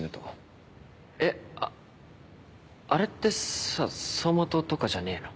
えっあれって走馬灯とかじゃねえの？